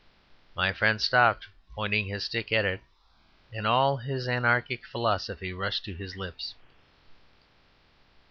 My friend stopped, pointing his stick at it, and all his anarchic philosophy rushed to his lips.